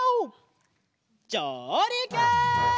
じょうりく！